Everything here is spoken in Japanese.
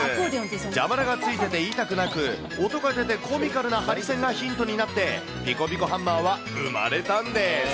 蛇腹がついてて痛くなく、音が出てコミカルなハリセンがヒントになって、ピコピコハンマーは生まれたんです。